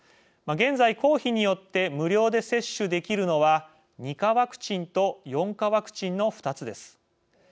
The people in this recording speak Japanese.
現在、公費によって無料で接種できるのは２価ワクチンと４価ワクチンの２つです。